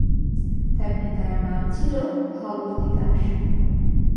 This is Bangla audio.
তার পিতার নাম ছিল ভগবতী দাস।